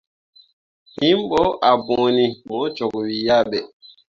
Him ɓo ah bõoni mo cok wii ah ɓe.